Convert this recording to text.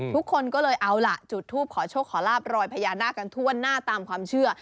ทุกคนก็เลยเอาล่ะจุดทูปขอโชคขอลาบรอยพญานาคกันทั่วหน้าตามความเชื่อ